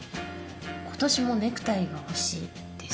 「今年もネクタイが欲しいです」。